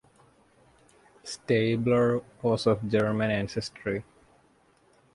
Staebler was of German ancestry.